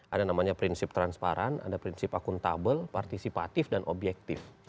ada namanya prinsip transparan ada prinsip akuntabel partisipatif dan objektif